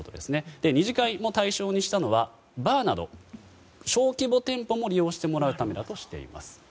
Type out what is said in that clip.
２次会も対象にしたのはバーなど小規模店舗も利用してもらうためだとしています。